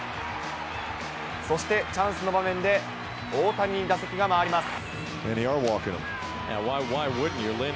そしてチャンスの場面で、大谷に打席が回ります。